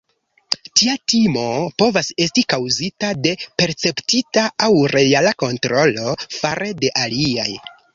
Tia timo povas esti kaŭzita de perceptita aŭ reala kontrolo fare de aliaj.